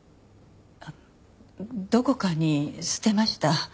どこかに捨てました。